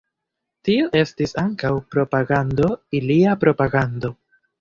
Tio estis ankaŭ propagando – ilia propagando.